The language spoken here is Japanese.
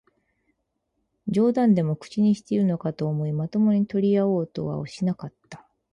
冗談でも口にしているのかと思い、まともに取り合おうとはしなかった